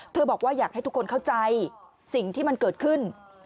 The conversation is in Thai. บอกว่าอยากให้ทุกคนเข้าใจสิ่งที่มันเกิดขึ้น